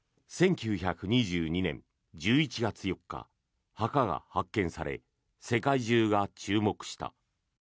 １９２２年１１月４日墓が発見され世界中が注目した。